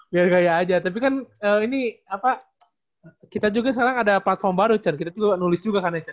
biar gaya aja tapi kan ini apa kita juga sekarang ada platform baru chan kita juga nulis juga kan ya